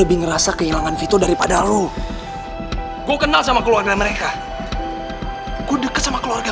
lebih ngerasa kehilangan fitur daripada lu gua kenal sama keluarga mereka gue deket sama keluarga